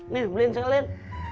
nih beliin cek liat